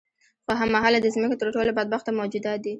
خو هم مهاله د ځمکې تر ټولو بدبخته موجودات دي.